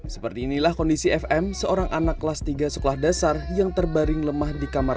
seperti inilah kondisi fm seorang anak kelas tiga sekolah dasar yang terbaring lemah di kamar